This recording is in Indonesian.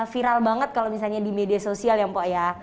viral banget kalau misalnya di media sosial ya mpok ya